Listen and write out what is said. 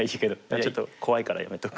ちょっと怖いからやめとく。